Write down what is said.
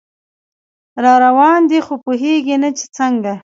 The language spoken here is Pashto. راروان دی خو پوهیږي نه چې څنګه